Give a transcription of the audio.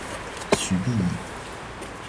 许力以。